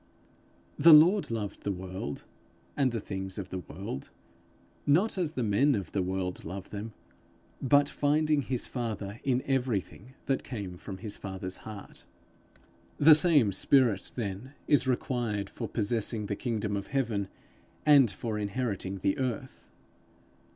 The Lord loved the world and the things of the world, not as the men of the world love them, but finding his father in everything that came from his father's heart. The same spirit, then, is required for possessing the kingdom of heaven, and for inheriting the earth.